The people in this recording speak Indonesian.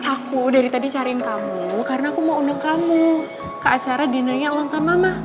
aku dari tadi cariin kamu karena aku mau undang kamu ke acara dinanya ulang tahun mama